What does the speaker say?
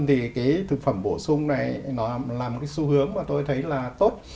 thì cái thực phẩm bổ sung này là một cái xu hướng mà tôi thấy là tốt